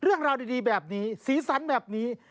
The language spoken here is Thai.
เรื่องราวดีแบบนี้สีสันแบบนี้